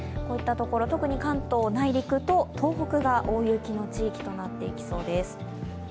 特に関東内陸と東北が大雪の地域となっていきそうです。